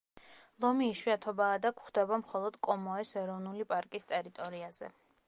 ლომი იშვიათობაა და გვხვდება მხოლოდ კომოეს ეროვნული პარკის ტერიტორიაზე.